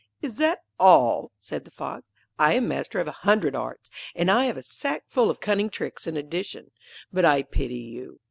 'Is that all?' said the Fox. 'I am master of a hundred arts, and I have a sack full of cunning tricks in addition. But I pity you.